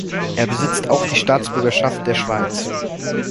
Er besitzt auch die Staatsbürgerschaft der Schweiz.